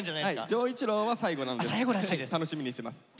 丈一郎は最後なんで楽しみにしてます。